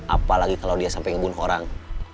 apalagi kalau dia sampai ngebunuh orang